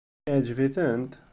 Iɛǧeb-iten?